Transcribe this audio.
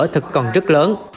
thật còn rất lớn